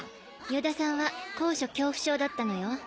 与田さんは高所恐怖症だったのよ。